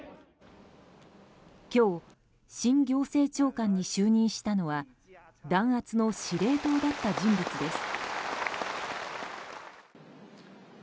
今日、新行政長官に就任したのは弾圧の司令塔だった人物です。